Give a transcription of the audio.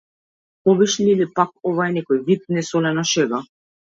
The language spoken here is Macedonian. Кобиш ли или пак ова е некој вид несолена шега?